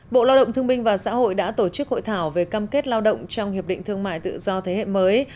bộ lao động thương minh và xã hội đã tổ chức hội thảo về cam kết lao động trong hiệp định thương mại tự do thế hệ mới